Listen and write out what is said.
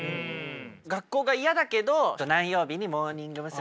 学校が嫌だけど何曜日にモーニング娘。